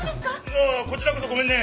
「ああこちらこそごめんね」。